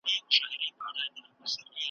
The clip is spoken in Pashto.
چي یې وکتل په غشي کي شهپر وو `